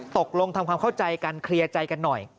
ตกลงทำความเข้าใจกันเคลียร์ใจกันหน่อย